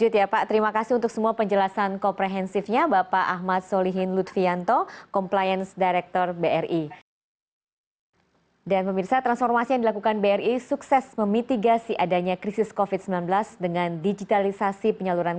dan terakhir adalah go global